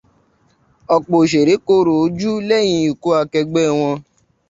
Ọ́pọ̀ òṣèré koro ojú lẹ́yìn ikú akẹẹgbẹ́ wọn.